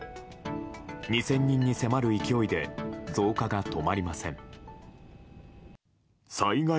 ２０００人に迫る勢いで増加が止まりません。